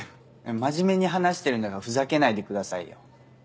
真面目に話してるんだからふざけないでくださいよ。